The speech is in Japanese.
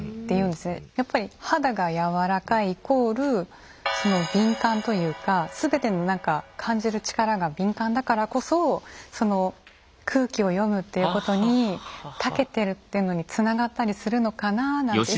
やっぱり肌がやわらかいイコール敏感というか全ての何か感じる力が敏感だからこそその空気を読むっていうことにたけてるっていうのにつながったりするのかなぁなんて